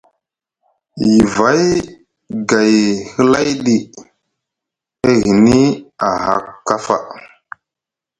Yivay gay hlayɗi e hini aha kafa.